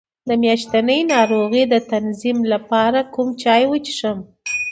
د میاشتنۍ ناروغۍ د تنظیم لپاره کوم چای وڅښم؟